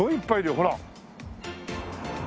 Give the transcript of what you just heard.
ほら！